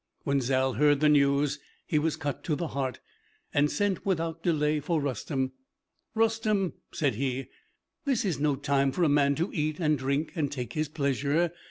When Zal heard the news he was cut to the heart, and sent without delay for Rustem. "Rustem," said he, "this is no time for a man to eat and drink and take his pleasure.